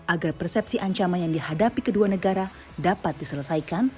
agar persepsi ancaman yang dihadapi kedua negara dapat diselesaikan